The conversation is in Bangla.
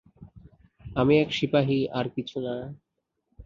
আমি এক সিপাহী আর কিছু না।